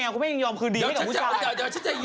เอาคุณออกตั้งแต่ต้นเลยโหรู้ป่ะ